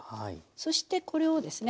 そしてこれをですね